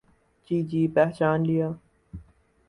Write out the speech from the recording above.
جی جی پہچان لیا۔